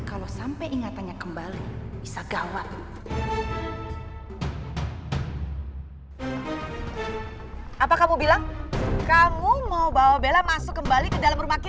atau cuma hanya mimpi